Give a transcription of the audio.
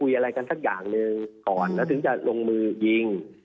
อะไรกันสักอย่างหนึ่งก่อนแล้วถึงจะลงมือยิง